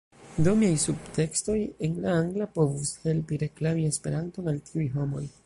Do miaj subteksoj en la angla povus helpi reklami Esperanton al tiuj homoj